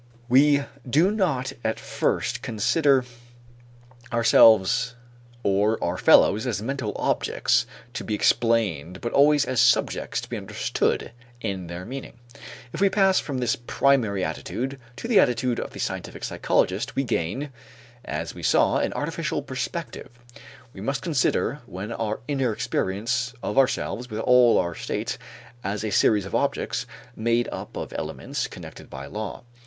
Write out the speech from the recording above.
We do not at first consider ourselves or our fellows as mental objects to be explained but always as subjects to be understood in their meaning. If we pass from this primary attitude to the attitude of the scientific psychologist we gain, as we saw, an artificial perspective. We must consider then our inner experience of ourselves with all our states as a series of objects made up of elements connected by law.